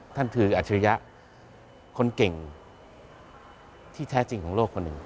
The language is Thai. ท่านคืออัจฉริยะคนเก่งที่แท้จริงของโลกคนหนึ่ง